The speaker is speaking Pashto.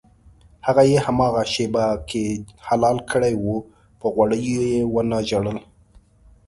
هغه یې هماغې شېبه کې حلال کړی و په غوړیو یې ونه ژړل.